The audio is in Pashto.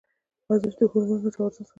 ورزش د هورمونونو توازن ساتي.